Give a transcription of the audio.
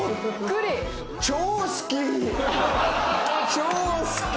超好き！